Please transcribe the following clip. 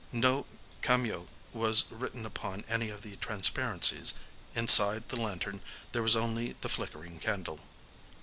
No kaimyō was written upon any of the transparencies. Inside the lantern there was only the flickering candle.